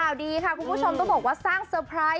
ข่าวดีค่ะคุณผู้ชมต้องบอกว่าสร้างเซอร์ไพรส์